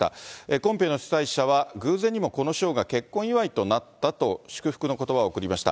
コンペの主催者は、偶然にもこの賞が結婚祝いとなったと祝福のことばを送りました。